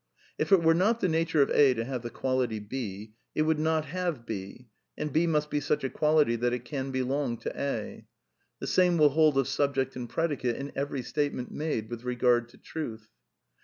If it were not the nature of A to have the quality B, it would not have B, and B must be such a quality that it can belong to A. The same will hold of subject and predicate in every statement made with regard to truth.